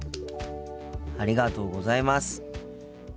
ありがとうございます。